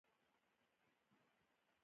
چین په فضايي تکنالوژۍ کې پرمختګ کوي.